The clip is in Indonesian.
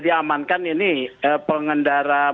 diamankan ini pengendaraan